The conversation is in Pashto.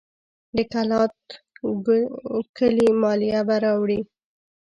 د کلات کلي مالیه به راوړي.